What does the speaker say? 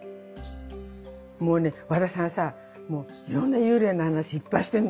もうね和田さんさいろんな幽霊の話いっぱい知ってんのよ。